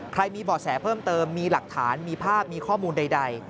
มีบ่อแสเพิ่มเติมมีหลักฐานมีภาพมีข้อมูลใด